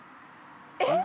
えっ？